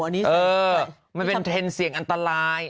อันนี้สิเออไม่เป็นเทรนด์เสียงอันตราย